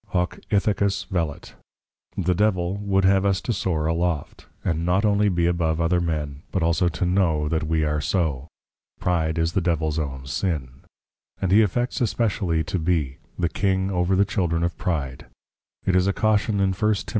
Hoc Ithacus velit the Devil would have us to soar aloft, and not only to be above other men, but also to know that we are so, Pride is the Devils own sin; and he affects especially to be, The King over the Children of Pride, it is a caution in _1 Tim.